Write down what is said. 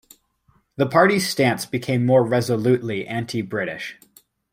The party's stance became more resolutely anti-British.